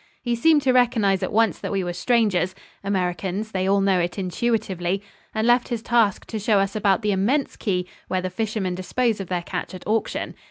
He seemed to recognize at once that we were strangers Americans, they all know it intuitively and left his task to show us about the immense quay where the fishermen dispose of their catch at auction.